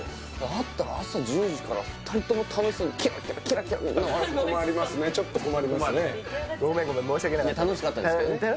会ったら朝１０時から２人とも楽しそうにケラケラケラケラ困りますねちょっと困りますねごめんごめん申し訳なかったいや楽しかったですけどね